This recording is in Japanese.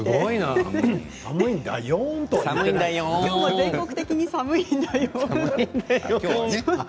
今日も全国的に寒いんだよ。